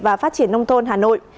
và phát triển nông thôn hà nội